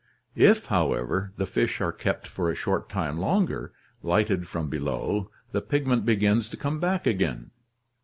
If, however, the fish are kept for a short time longer, lighted from below, the pigment begins to come back again.